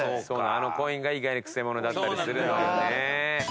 あのコインが意外にくせ者だったりするのよね。